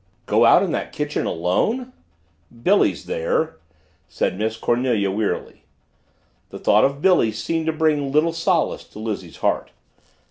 "Go out in that kitchen alone?" "Billy's there," said Miss Cornelia wearily. The thought of Billy seemed to bring little solace to Lizzie's heart.